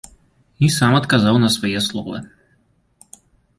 І сам адказаў на свае словы.